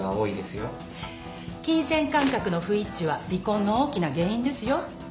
金銭感覚の不一致は離婚の大きな原因ですよ。